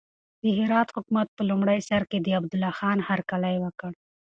د هرات حکومت په لومړي سر کې د عبدالله خان هرکلی وکړ.